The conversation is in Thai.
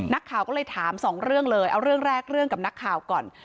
นักข่าวก็เลยถามสองเรื่องเลยเอาเรื่องแรกเรื่องกับนักข่าวก่อน